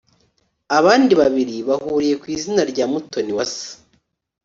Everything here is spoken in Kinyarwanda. abandi babiri bahuriye ku izina rya Mutoniwase